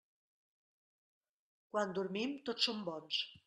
Quan dormim, tots som bons.